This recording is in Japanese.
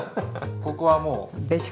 ここはもう。